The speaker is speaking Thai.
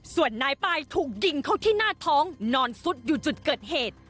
ส่วนนายปลายถูกยิงเข้าที่หน้าท้องนอนซุดอยู่จุดเกิดเหตุ